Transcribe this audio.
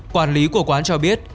quản lý của quán cho biết